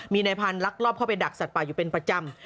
มีนายพันธุ์ลักลอบเข้าไปดักสัตว์ป่าอยู่เป็นประจำ